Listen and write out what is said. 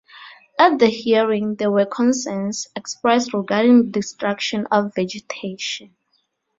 At the hearing, there were concerns expressed regarding destruction of vegetation.